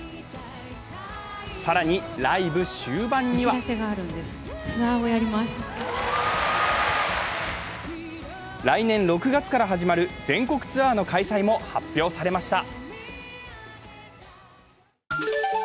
更にライブ終盤には来年６月から始まる全国ツアーの開催も発表されました。